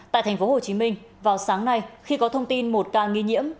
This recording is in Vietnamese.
tại tp hcm vào sáng nay khi có thông tin một ca nghi nhiễm